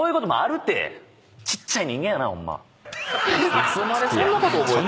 いつまでそんなこと覚えてんの。